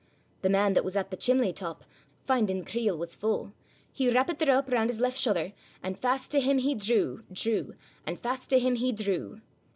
The man that was at the chimley top, Finding the creel was fu', He wrappit the rape round his left shouther, And fast to him he drew, drew: And fast to him he drew.